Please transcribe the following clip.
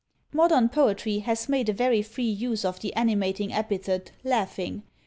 Modern poetry has made a very free use of the animating epithet LAUGHING.